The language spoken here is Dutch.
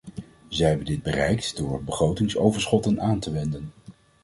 Zij hebben dit bereikt door begrotingsoverschotten aan te wenden.